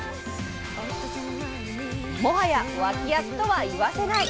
もはや脇役とは言わせない！